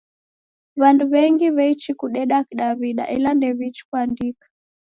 W'andu w'engi w'eichi kudeda Kidaw'ida, ela ndewiichi kuandika